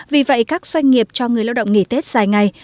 vì vậy các doanh nghiệp cho người lao động nghỉ tết dài ngày